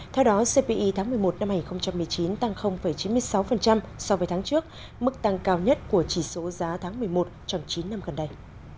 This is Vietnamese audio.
theo đó cpi tháng một mươi một năm hai nghìn một mươi chín tăng chín mươi sáu so với tháng trước mức tăng cao nhất của chỉ số giá tháng một mươi một trong chín năm gần đây